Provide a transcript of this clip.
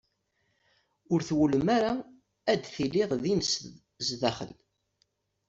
Ur twulem ara ad tiliḍ din sdaxel.